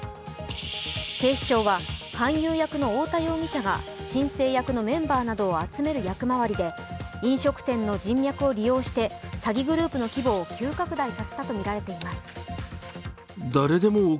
警視庁は勧誘役の太田容疑者が申請役のメンバーなどを集める役回りで飲食店の人脈を利用して、詐欺グループの規模を急拡大させたとみられています。